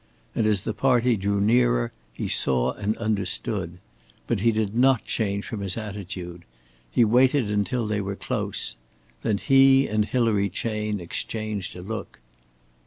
And as the party drew nearer, he saw and understood. But he did not change from his attitude. He waited until they were close. Then he and Hilary Chayne exchanged a look.